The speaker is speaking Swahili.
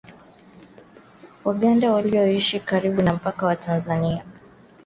Waganda wanaoishi karibu na mpaka wa Tanzania wamekuwa wakivuka mpaka kununua petroli iliyo bei ya chini ,